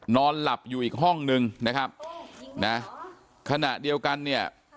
นอนหลับอยู่อีกห้องนึงนะครับนะขณะเดียวกันเนี่ย